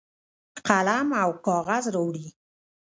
قلم او کاغذ راوړي.